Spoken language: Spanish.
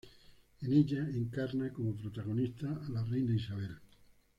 En ella encarna, como protagonista, a la Reina Isabel.